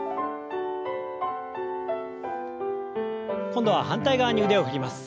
今度は反対側に腕を振ります。